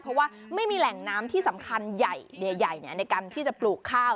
เพราะว่าไม่มีแหล่งน้ำที่สำคัญใหญ่ในการที่จะปลูกข้าว